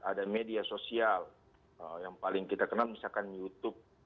ada media sosial yang paling kita kenal misalkan youtube